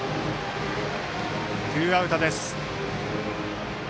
ツーアウトです。